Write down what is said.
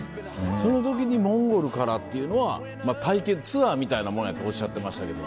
その時にモンゴルからっていうのは体験ツアーみたいなもんやとおっしゃってましたけど。